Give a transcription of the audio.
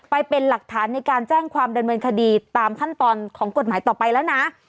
ไปเป็นหลักฐานในการแจ้งความดำเนินคดีตามขั้นตอนของกฎหมายต่อไปแล้วนะ